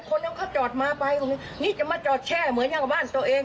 คนนั้นเขาจอดมาไปตรงนี้นี่จะมาจอดแช่เหมือนอย่างกับบ้านตัวเอง